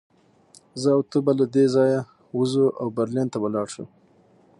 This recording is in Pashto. زه او ته به له دې ځایه ووځو او برلین ته به لاړ شو